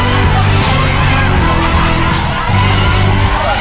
เป้าหมายครับ